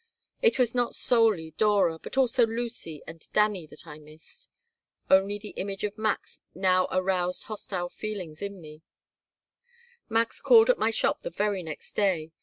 It was not solely Dora, but also Lucy and Dannie that I missed. Only the image of Max now aroused hostile feelings in me Max called at my shop the very next day.